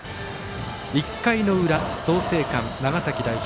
１回の裏、創成館、長崎代表。